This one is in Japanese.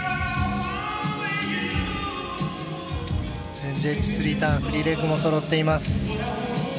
チェンジエッジスリーターンフリーレッグもそろっています。